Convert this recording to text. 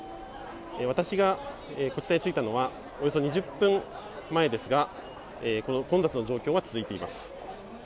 私がこちらに着いたのはおよそ２０分前ですがこの混雑の状況が続いています。